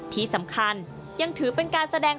ที่สำคัญยังถือเป็นการแสดง